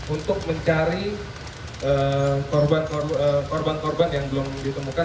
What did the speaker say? untuk mencari korban korban yang belum ditemukan